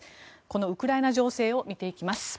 このウクライナ情勢を見ていきます。